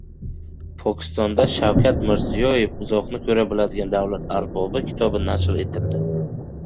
Pokistonda “Shavkat Mirziyoyev – uzoqni ko‘ra biladigan davlat arbobi” kitobi nashr etildi